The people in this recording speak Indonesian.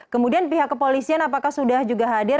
kemudian pihak kepolisian apakah sudah juga hadir